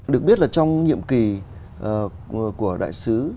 được biết là trong nhiệm kỳ của đại sứ